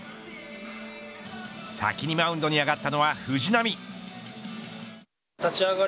先にマウンドに上がったのは藤浪。